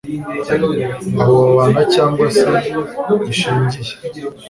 abo babana cyangwa se gishingiye